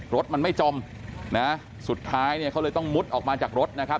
รถมันไม่จมสุดท้ายเขาเลยต้องมุดออกมาจากรถ